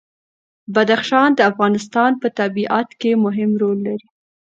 بدخشان د افغانستان په طبیعت کې مهم رول لري.